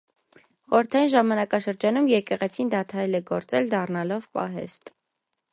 Խորհրդային ժամանակաշրջանում եկեղեցին դադարել է գործել՝ դառնալով պահեստ։